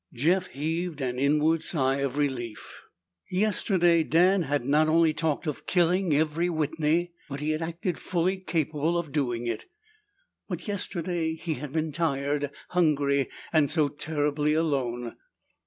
Jeff heaved an inward sigh of relief. Yesterday Dan had not only talked of killing every Whitney, but he had acted fully capable of doing it. But yesterday he had been tired, hungry and so terribly alone.